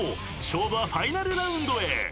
［勝負はファイナルラウンドへ］